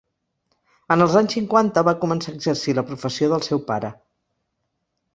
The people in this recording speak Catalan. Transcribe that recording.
En els anys cinquanta va començar a exercir la professió del seu pare.